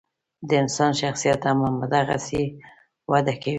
د انسان شخصیت هم همدغسې وده کوي.